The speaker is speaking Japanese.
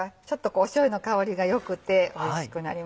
しょうゆの香りが良くておいしくなります。